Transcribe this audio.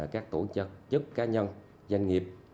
các tổ chức chức cá nhân doanh nghiệp